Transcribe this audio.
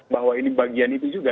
bahwa ini bagian itu juga